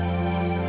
aku mau pergi